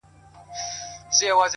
خدای ته دعا زوال د موسيقۍ نه غواړم;